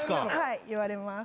いわれます。